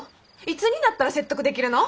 いつになったら説得できるの？